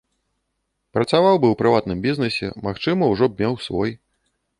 Працаваў бы ў прыватным бізнесе, магчыма, ужо б меў свой.